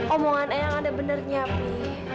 omongan eang ada benarnya pi